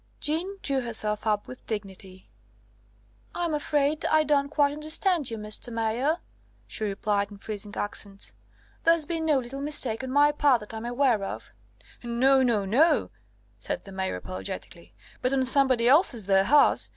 Jeanne drew herself up with dignity. "I'm afraid I don't quite understand you, Mr. Mayor," she replied in freezing accents. "There's been no little mistake on my part that I'm aware of." "No, no, no," said the Mayor apologetically; "but on somebody else's there has.